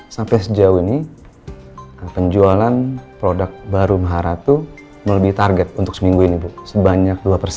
sampai sejauh ini penjualan produk baru maharatu melebihi target untuk seminggu ini bu sebanyak